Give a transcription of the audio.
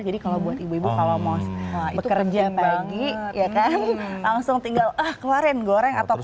jadi kalau buat ibu ibu kalau mau bekerja pagi ya kan langsung tinggal keluarin goreng atau pupus